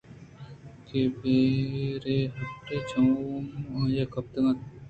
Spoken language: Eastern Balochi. کہ بّرے حرے ء ِ چم آئیءَکپت اَنتءُ پِر